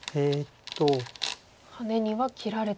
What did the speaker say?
ハネには切られて。